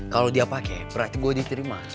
kalau dia pakai berarti gue diterima